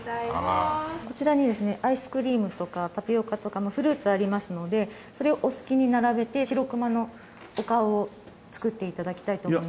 こちらにですねアイスクリームとかタピオカとかフルーツありますのでそれをお好きに並べて白くまのお顔を作って頂きたいと思います。